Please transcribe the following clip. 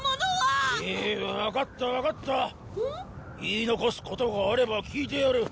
言い残すことがあれば聞いてやる。